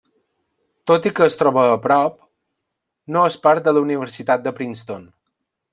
Tot i que es troba a prop, no és part de la Universitat de Princeton.